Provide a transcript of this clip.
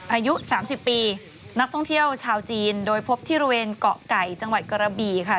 อายุ๓๐ปีนักท่องเที่ยวชาวจีนโดยพบที่บริเวณเกาะไก่จังหวัดกระบี่ค่ะ